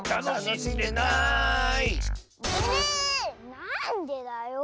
なんでだよ。